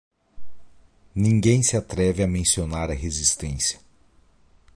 Ninguém se atreve a mencionar a resistência